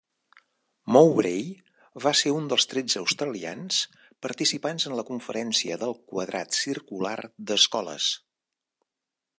Mowbray va ser un de tretze australians participants en la Conferència del Quadrat Circular d'Escoles.